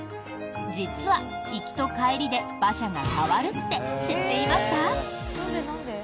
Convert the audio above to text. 実は、行きと帰りで馬車が変わるって知っていました？